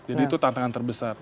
jadi itu tantangan terbesar